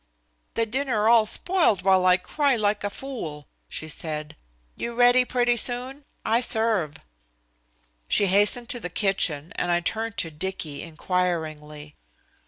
"The dinner all spoiled while I cry like a fool," she said. "You ready pretty soon. I serve." She hastened to the kitchen, and I turned to Dicky inquiringly.